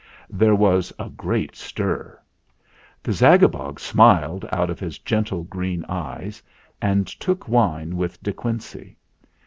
There was a great stir. The Zagabog smiled out of his gentle green eyes and took wine with De Quincey.